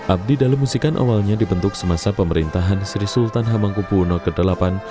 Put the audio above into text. abdi dalemusikan awalnya dibentuk semasa pemerintahan sri sultan hamangkubwuno viii